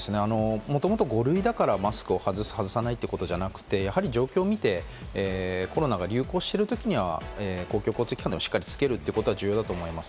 もともと５類だからマスクを外す、外さないではなくて、状況を見てコロナが流行しているときには公共交通機関でしっかりつけることは重要だと思います。